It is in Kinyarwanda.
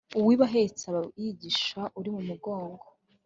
Uwiba ahetse aba yigisha uri imugongo.